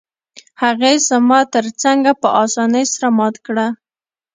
هغې زما تره څنګه په اسانۍ سره مات کړ؟